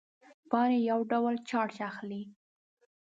پاڼې یو ډول چارج اخلي.